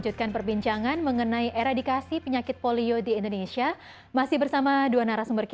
terima kasih banyak banyak